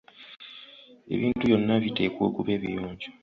Ebintu byonna biteekwa okuba ebiyonjo.